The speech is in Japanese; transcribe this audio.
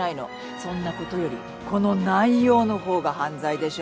そんなことよりこの内容のほうが犯罪でしょ。